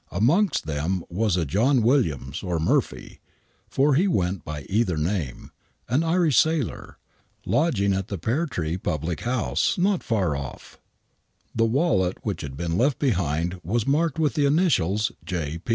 Amongst them was a John Williams or Murphy — for he went by either name — an Irish sailor, lodging at the Pear Tree public house, not far off. The wallet which had been left behind was marked with the initials J.